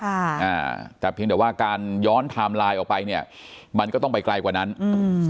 อ่าแต่เพียงแต่ว่าการย้อนไทม์ไลน์ออกไปเนี้ยมันก็ต้องไปไกลกว่านั้นอืม